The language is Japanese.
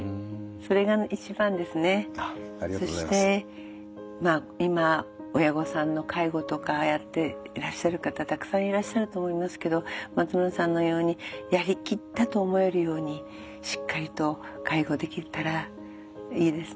そして今親御さんの介護とかやってらっしゃる方たくさんいらっしゃると思いますけど松村さんのようにやりきったと思えるようにしっかりと介護できたらいいですね。